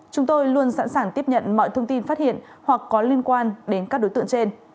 chúng tôi luôn sẵn sàng tiếp nhận mọi thông tin phát hiện hoặc có liên quan đến các đối tượng trên